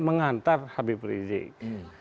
mengantar habib rizieq